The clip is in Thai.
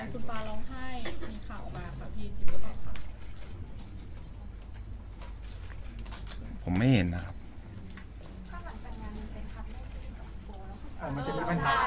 ถูกไหมฮะพี่ป๊อบครับในวันแต่งงานคุณปลาร้องไห้มีข่าวมากกว่าพี่